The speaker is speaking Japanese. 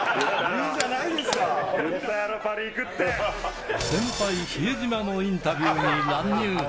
言ったやろ、先輩、比江島のインタビューに乱入。